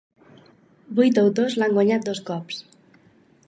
Vuit autors l'han guanyat dos cops.